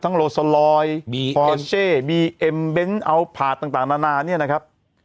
ทั้งโลซอลลอยฟอร์เช่บีเอ็มเบ้นเอาภาษต่างนานาเนี่ยนะครับ